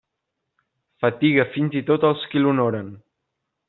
Fatiga fins i tot els qui l'honoren.